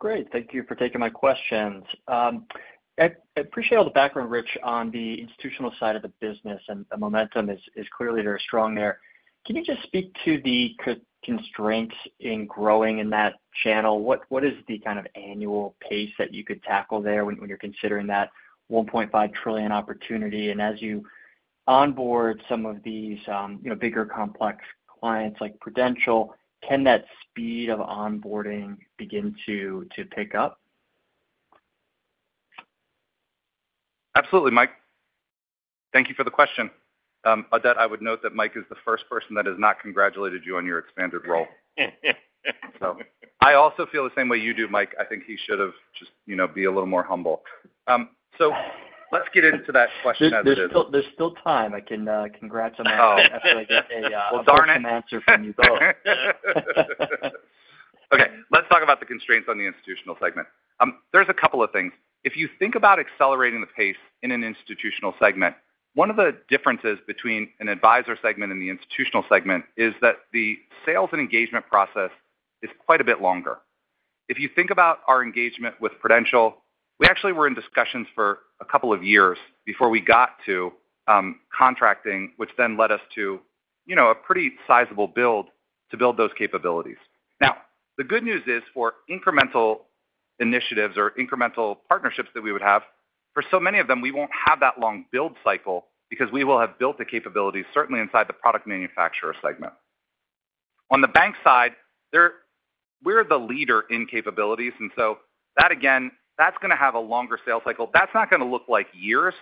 Great. Thank you for taking my questions. I appreciate all the background, Rich, on the institutional side of the business, and the momentum is clearly very strong there. Can you just speak to the constraints in growing in that channel? What is the kind of annual pace that you could tackle there when you're considering that 1.5 trillion opportunity? And as you onboard some of these bigger complex clients like Prudential, can that speed of onboarding begin to pick up? Absolutely, Mike. Thank you for the question. I would note that Mike is the first person that has not congratulated you on your expanded role. So I also feel the same way you do, Mike. I think he should just be a little more humble. So let's get into that question as it is. There's still time. I can congratulate you after I get a question answer from you both. Okay. Let's talk about the constraints on the institutional segment. There's a couple of things. If you think about accelerating the pace in an institutional segment, one of the differences between an advisor segment and the institutional segment is that the sales and engagement process is quite a bit longer. If you think about our engagement with Prudential, we actually were in discussions for a couple of years before we got to contracting, which then led us to a pretty sizable build to build those capabilities. Now, the good news is for incremental initiatives or incremental partnerships that we would have, for so many of them, we won't have that long build cycle because we will have built the capabilities, certainly inside the product manufacturer segment. On the bank side, we're the leader in capabilities, and so that, again, that's going to have a longer sales cycle. That's not going to look like years.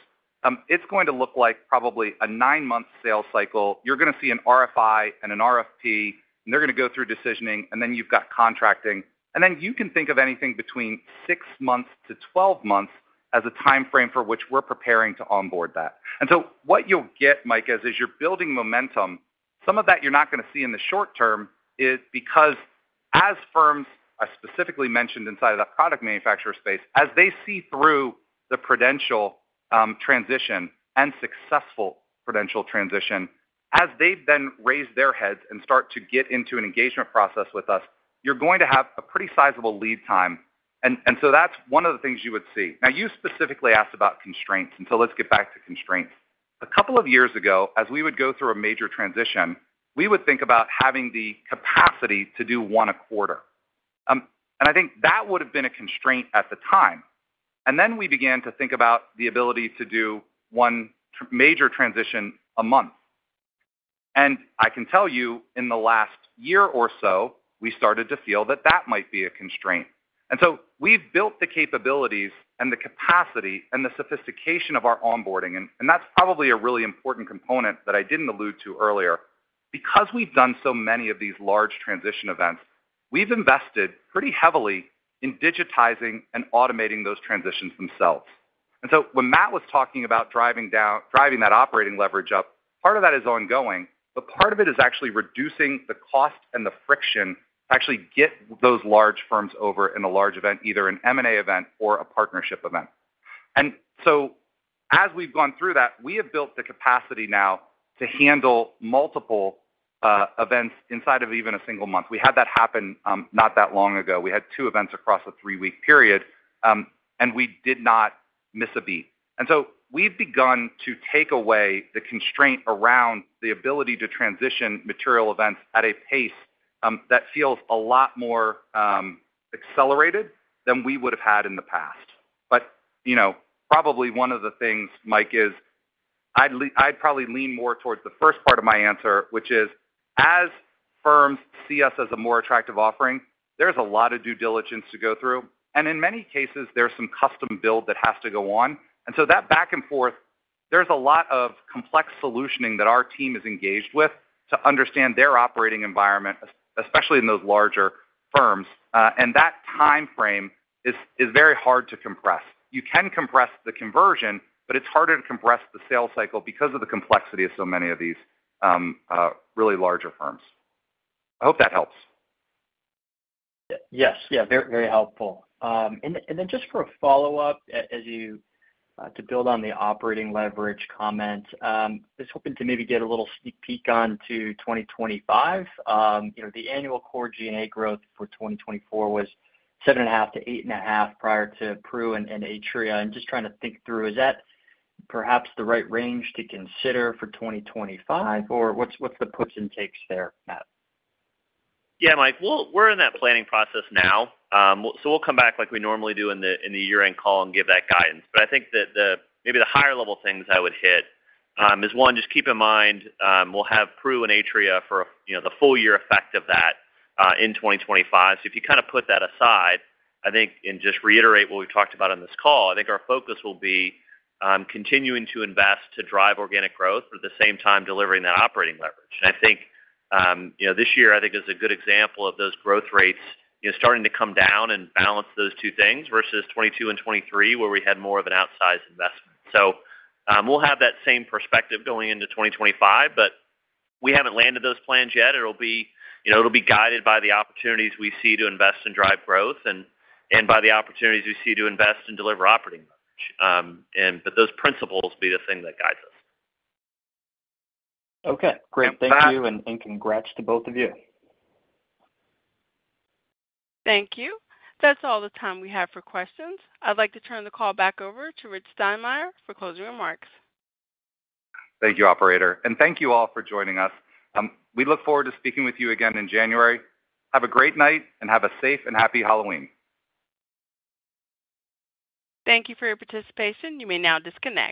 It's going to look like probably a nine-month sales cycle. You're going to see an RFI and an RFP, and they're going to go through decisioning, and then you've got contracting. And then you can think of anything between six months to 12 months as a timeframe for which we're preparing to onboard that. And so what you'll get, Mike, is you're building momentum. Some of that you're not going to see in the short term is because as firms are specifically mentioned inside of that product manufacturer space, as they see through the Prudential transition and successful Prudential transition, as they've then raised their heads and start to get into an engagement process with us, you're going to have a pretty sizable lead time. And so that's one of the things you would see. Now, you specifically asked about constraints. And so let's get back to constraints. A couple of years ago, as we would go through a major transition, we would think about having the capacity to do one a quarter. And I think that would have been a constraint at the time. And then we began to think about the ability to do one major transition a month. And I can tell you in the last year or so, we started to feel that that might be a constraint. And so we've built the capabilities and the capacity and the sophistication of our onboarding. And that's probably a really important component that I didn't allude to earlier. Because we've done so many of these large transition events, we've invested pretty heavily in digitizing and automating those transitions themselves. And so when Matt was talking about driving that operating leverage up, part of that is ongoing, but part of it is actually reducing the cost and the friction to actually get those large firms over in a large event, either an M&A event or a partnership event. And so as we've gone through that, we have built the capacity now to handle multiple events inside of even a single month. We had that happen not that long ago. We had two events across a three-week period, and we did not miss a beat. And so we've begun to take away the constraint around the ability to transition material events at a pace that feels a lot more accelerated than we would have had in the past. But probably one of the things, Mike, is I'd probably lean more towards the first part of my answer, which is as firms see us as a more attractive offering, there's a lot of due diligence to go through. And in many cases, there's some custom build that has to go on. And so that back and forth, there's a lot of complex solutioning that our team is engaged with to understand their operating environment, especially in those larger firms. And that timeframe is very hard to compress. You can compress the conversion, but it's harder to compress the sales cycle because of the complexity of so many of these really larger firms. I hope that helps. Yes. Yeah, very helpful. And then just for a follow-up, to build on the operating leverage comment, I was hoping to maybe get a little sneak peek onto 2025. The annual Core G&A growth for 2024 was 7.5%-8.5% prior to Pru and Atria. I'm just trying to think through. Is that perhaps the right range to consider for 2025, or what's the puts and takes there, Matt? Yeah, Mike. Well, we're in that planning process now. So we'll come back like we normally do in the year-end call and give that guidance. But I think that maybe the higher-level things I would hit is one, just keep in mind we'll have Pru and Atria for the full year effect of that in 2025. So if you kind of put that aside, I think, and just reiterate what we've talked about on this call, I think our Focus will be continuing to invest to drive organic growth at the same time delivering that operating leverage. And I think this year, I think, is a good example of those growth rates starting to come down and balance those two things versus 2022 and 2023 where we had more of an outsized investment. So we'll have that same perspective going into 2025, but we haven't landed those plans yet. It'll be guided by the opportunities we see to invest and drive growth and by the opportunities we see to invest and deliver operating leverage, but those principles will be the thing that guides us. Okay. Great. Thank you, and congrats to both of you. Thank you. That's all the time we have for questions. I'd like to turn the call back over to Rich Steinmeier for closing remarks. Thank you, operator. And thank you all for joining us. We look forward to speaking with you again in January. Have a great night and have a safe and happy Halloween. Thank you for your participation. You may now disconnect.